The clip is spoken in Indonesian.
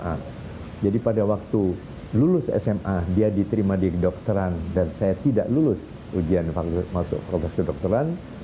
nah jadi pada waktu lulus sma dia diterima di kedokteran dan saya tidak lulus ujian masuk progres kedokteran